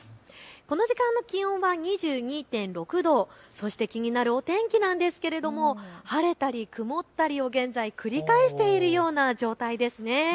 この時間の気温は２２．６度、そして気になるお天気なんですけれども晴れたり曇ったりを現在、繰り返しているような状態ですね。